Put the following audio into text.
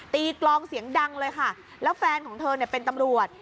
กลองเสียงดังเลยค่ะแล้วแฟนของเธอเนี่ยเป็นตำรวจ